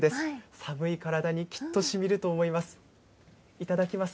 寒い体にきっとしみると思います。